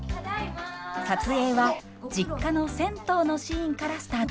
撮影は実家の銭湯のシーンからスタートしました。